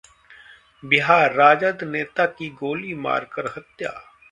बिहारः राजद नेता की गोली मारकर हत्या